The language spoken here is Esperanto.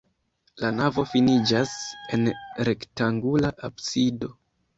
La navo finiĝas en rektangula absido.